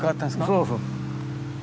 そうそう。